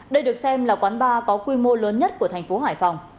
đây được xem là quán bar có quy mô lớn nhất của thành phố hải phòng